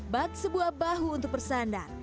bak sebuah bahu untuk bersandar